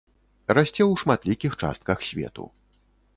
Расце ў шматлікіх частках свету.